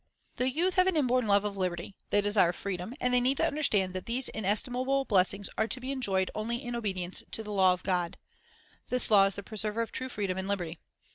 The youth have an inborn love of liberty; they desire freedom;. and they need to understand that these inestimable blessings are to be enjoyed only in obedi ence to the law of God. This law is the preserver of true freedom and liberty.